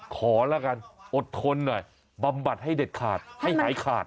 ขอละกันอดทนหน่อยบำบัดให้เด็ดขาดให้หายขาด